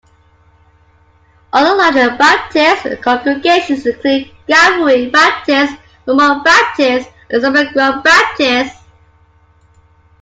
Other large Baptist congregations include Calvary Baptist, Broadmoor Baptist, and Summer Grove Baptist.